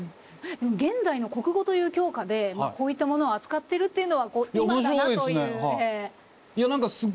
「現代の国語」という教科でこういったものを扱ってるっていうのは今だなという。